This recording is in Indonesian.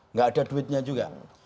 nggak ada duitnya juga